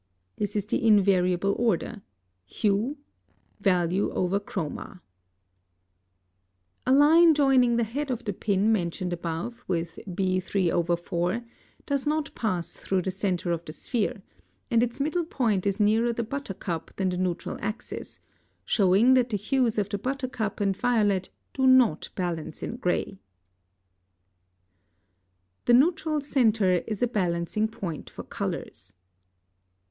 (This is the invariable order: HUE {VALUE/CHROMA}.) (74) A line joining the head of the pin mentioned above with B 3/4 does not pass through the centre of the sphere, and its middle point is nearer the buttercup than the neutral axis, showing that the hues of the buttercup and violet do not balance in gray. +The neutral centre is a balancing point for colors.